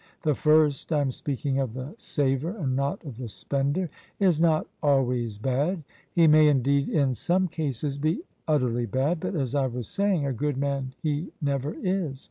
The first I am speaking of the saver and not of the spender is not always bad; he may indeed in some cases be utterly bad, but, as I was saying, a good man he never is.